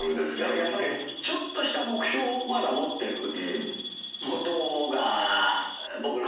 やっぱりちょっとした目標をまだ持ってることが僕なんかは。